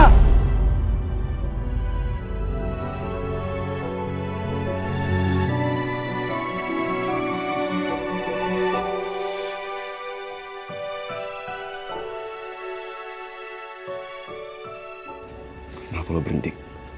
kenapa lo berhenti